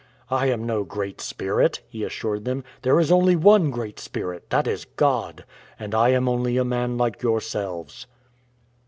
" I am no great spirit," he assured them. "There is only one Great Spirit, that is God ; and I am only a man like yourselves."